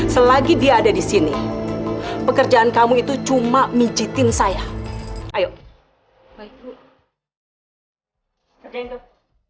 selagi dia ada di sini pekerjaan kamu itu cuma mijitin saya ayo